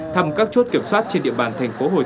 thăm các chốt kiểm soát trên địa bàn tp hcm và tỉnh đồng nai